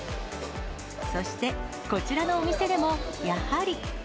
そして、こちらのお店でもやはり。